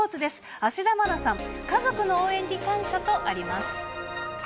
芦田愛菜さん、家族の応援に感謝とあります。